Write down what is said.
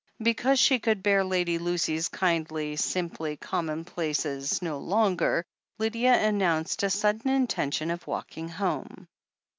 Because she could bear Lady Lucy's kindly, simple commonplaces no longer, Lydia announced a sudden intention of walking home.